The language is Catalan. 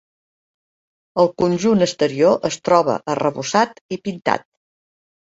El conjunt exterior es troba arrebossat i pintat.